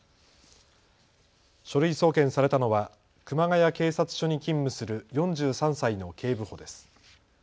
書類送検されたのは熊谷警察署に勤務する４３歳の警部補です。